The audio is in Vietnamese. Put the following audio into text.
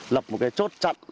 lập một cái chốt chặn